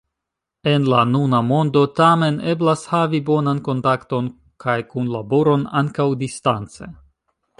En la nuna mondo tamen eblas havi bonan kontakton kaj kunlaboron ankaŭ distance.